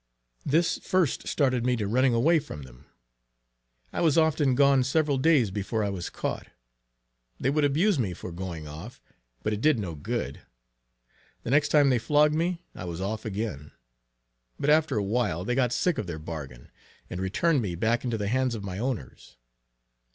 This first started me to running away from them. I was often gone several days before I was caught. They would abuse me for going off, but it did no good. The next time they flogged me, I was off again; but after awhile they got sick of their bargain, and returned me back into the hands of my owners.